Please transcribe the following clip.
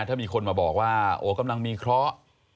ถ้ามีคนมาบอกว่าโอ้กำลังมีเคราะห์